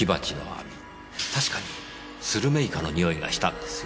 確かにするめいかのにおいがしたんですよ。